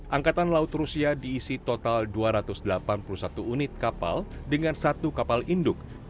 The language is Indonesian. angkatan laut rusia diisi total dua ratus delapan puluh satu unit kapal dengan satu kapal induk